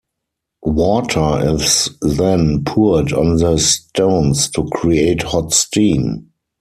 Water is then poured on the stones to create hot steam.